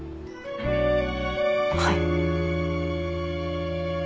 はい。